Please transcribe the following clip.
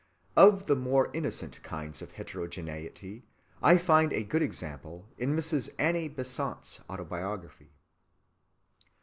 Of the more innocent kinds of heterogeneity I find a good example in Mrs. Annie Besant's autobiography.